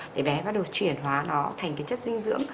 để bé bắt đầu chuyển hóa nó thành cái chất dinh dưỡng